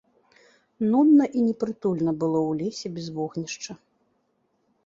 Нудна і непрытульна было ў лесе без вогнішча.